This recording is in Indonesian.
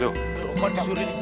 lu apa yang disuruh ini